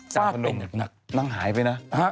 จาพนมนั่งหายไปนะ